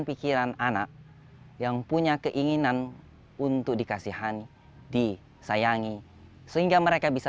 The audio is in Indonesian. pikiran anak yang punya keinginan untuk dikasihani disayangi sehingga mereka bisa